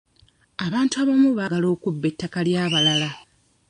Abantu abamu baagala okubba ettaka ly'abalala.